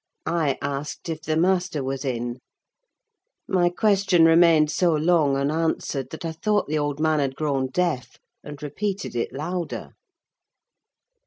I asked if the master was in? My question remained so long unanswered, that I thought the old man had grown deaf, and repeated it louder.